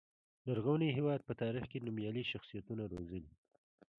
لرغوني هېواد په تاریخ کې نومیالي شخصیتونه روزلي.